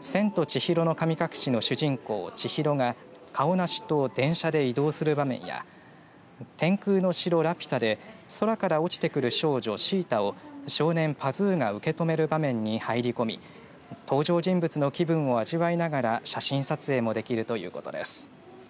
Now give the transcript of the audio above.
千と千尋の神隠しの主人公千尋がカオナシと電車で移動する場面や天空の城ラピュタで空から落ちてくる少女シータを少年パズーが受け止める場面に入り込み登場人物の気分を味わいながら写真撮影もできるということです。